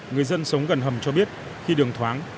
người dân sống gần hầm cho biết khi đường thoáng